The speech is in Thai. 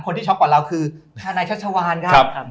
ที่ช็อกกว่าเราคือทนายชัชวานครับ